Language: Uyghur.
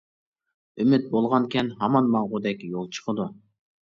ئۈمىد بولغانىكەن ھامان ماڭغۇدەك يول چىقىدۇ.